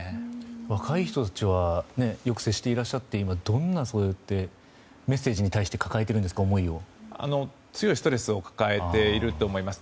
若い人たちとよく接していらっしゃってどんなメッセージに対して思いを抱えているんですか。